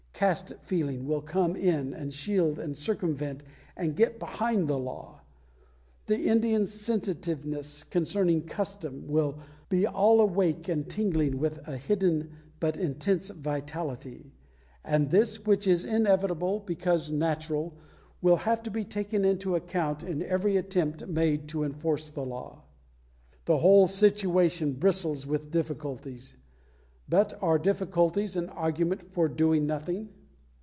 Caste feeling will come in and shield and circumvent and get behind the law. The Indian sensitiveness concerning Custom will be all awake and tingling with a hidden but intense vitality; and this, which is inevitable because natural, will have to be taken into account in every attempt made to enforce the law. The whole situation bristles with difficulties; but are difficulties an argument for doing nothing?